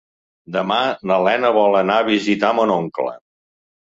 Demà na Lena vol anar a visitar mon oncle.